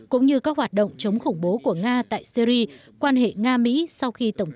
cũng như các hoạt động của nga và nga